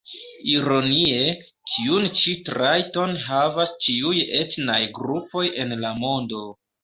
Ironie, tiun ĉi trajton havas ĉiuj etnaj grupoj en la mondo.